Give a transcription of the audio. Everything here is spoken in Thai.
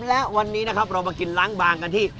และวันนี้นะครับเรามากินล้างบางกันที่